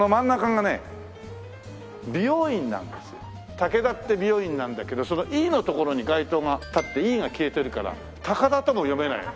「ＴＡＫＥＤＡ」って美容院なんだけどその「Ｅ」の所に街灯が立って「Ｅ」が消えてるから「高田」とも読めないの。